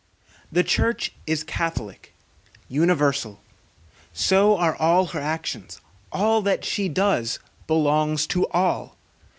The church is catholic, universal, so are all her actions; all that she does belongs to all.